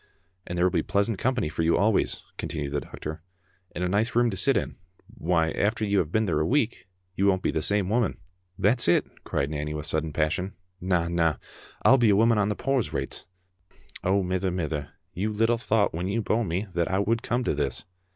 " And there will be pleasant company for you always," continued the doctor, "and a nice room to sit in. Why, after you have been there a week, you won't be the same woman." "That's it!" cried Nanny with sudden passion. "Na, na; I'll be a woman on the poor's rates. Oh, mither, mither, you little thocht when you bore me that I would come to this!"